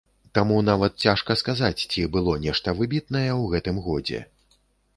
Таму нават цяжка сказаць, ці было нешта выбітнае ў гэтым годзе.